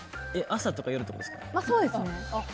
朝とかよるとかですか？